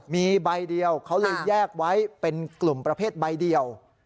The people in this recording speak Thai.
มีใบเดียวเขาเลยแยกไว้เป็นกลุ่มประเภทใบเดียว